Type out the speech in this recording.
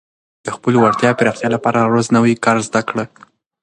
د خپلې وړتیا پراختیا لپاره هره ورځ نوی کار زده کړه.